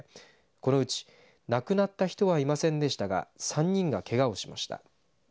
このうち亡くなった人はいませんでしたが３人がけがをしました。